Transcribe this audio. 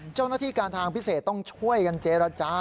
เจ้าหน้าที่การทางพิเศษต้องช่วยกันเจรจา